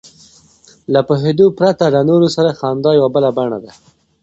له پوهېدو پرته له نورو سره خندا یوه بله بڼه ده.